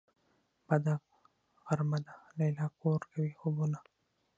بده غرمه ده ليلا کور کوي خوبونه